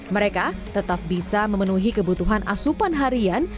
mereka tetap bisa memenuhi kebutuhan asupan harian